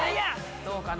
どうかな？